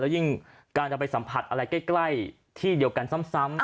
ยิ่งการจะไปสัมผัสอะไรใกล้ที่เดียวกันซ้ำ